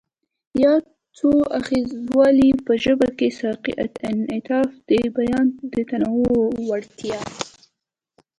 ياد څو اړخیزوالی په ژبه کې سیاقي انعطاف، د بیان د تنوع وړتیا،